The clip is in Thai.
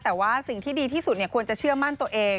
แต่ว่าสิ่งที่ดีที่สุดควรจะเชื่อมั่นตัวเอง